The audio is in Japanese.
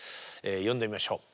呼んでみましょう。